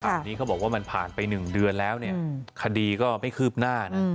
อันนี้เขาบอกว่ามันผ่านไป๑เดือนแล้วเนี่ยคดีก็ไม่คืบหน้านะ